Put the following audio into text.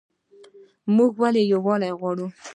موږ ولې یووالی غواړو؟